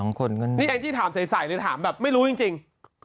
นี่เองที่ถามใสเลยถามแบบไม่รู้จริง